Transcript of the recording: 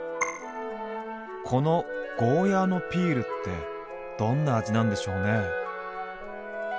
この「ゴーヤーのピール」ってどんな味なんでしょうね？